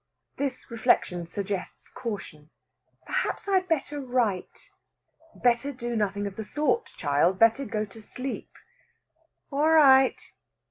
This reflection suggests caution. "Perhaps I'd better write...." "Better do nothing of the sort, child. Better go to sleep...." "All right."